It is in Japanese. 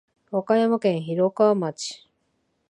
和歌山県広川町